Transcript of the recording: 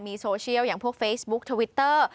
มีโซเชียลอย่างพวกเฟซบุ๊กทวิตเตอร์